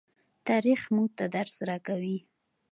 تاریخ موږ ته درس راکوي.